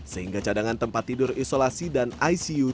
sehingga cadangan tempat tidur isolasi dan icu